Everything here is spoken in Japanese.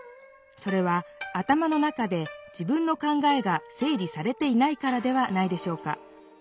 それは頭の中で自分の考えが整理されていないからではないでしょうか